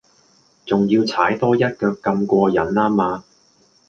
仲要踩多一腳咁過癮呀嗎